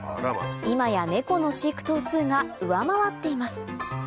今やネコの飼育頭数が上回っています